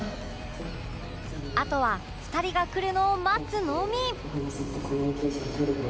あとは２人が来るのを待つのみ